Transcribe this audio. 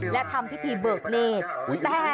และทำพิธีเบิกเลข